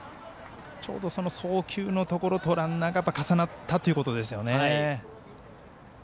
ちょうど送球のところとランナーが重なったということですね。